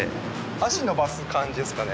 脚伸ばす感じですかね